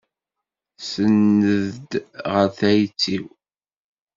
Senned-d ɣer tayet-iw.